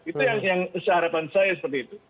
itu yang seharapan saya seperti itu